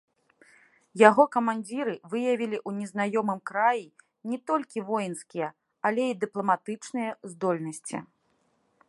Яго камандзіры выявілі ў незнаёмым краі не толькі воінскія, але і дыпламатычныя здольнасці.